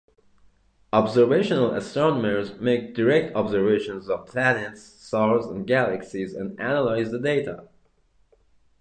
Observational astronomers make direct observations of planets, stars and galaxies, and analyze the data.